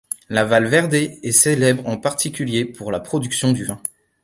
La Valverde est célèbre en particulier pour la production de vin.